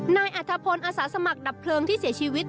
นายอัธพลอาสาสมัครดับเพลิงที่เสียชีวิต